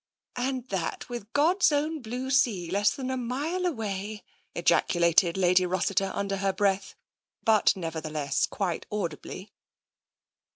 " And that with God's own blue sea less than a mile away !" ejaculated Lady Rossiter under her breath, but nevertheless quite audibly.